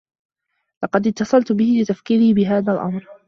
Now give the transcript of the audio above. لقد اتّصلت به لتفكيره بهذا الأمر.